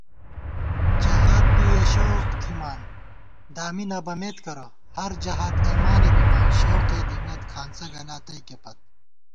جہاد بی یَہ شوق تھِمان دامی نہ بَمېت کرہ * ہر جہاد ایمانے بِمان شوقے دِمېت کھانڅہ گلا تئیکےپت